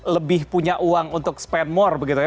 lebih punya uang untuk spend more begitu ya